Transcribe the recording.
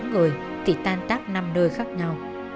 nhà có tám người thì tan tác năm nơi khác nhau